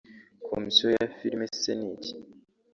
Komisiyo ya filime se ni iki